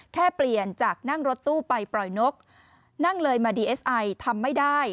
แค่เปลี่ยนจากนั่งรถตู้ไปปล่อยนกนั่งเลยมาดีเอสไอทำไม่ได้